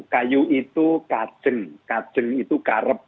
kayu itu kajeng kajeng itu karep